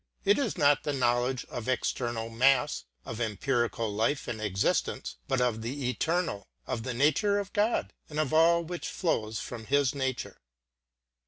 It is not the knowledge of external mass, of empirical life and existence, but of the eternal, of the nature of God, and of all which flows from His nature.